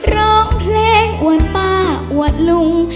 ร้องเพลงอวดป้าอวดลุง